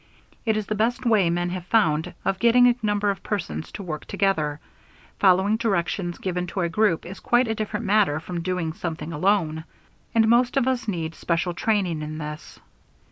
It is the best way men have found of getting a number of persons to work together. Following directions given to a group is quite a different matter from doing something alone, and most of us need special training in this.